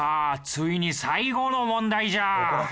ついに最後の問題じゃ。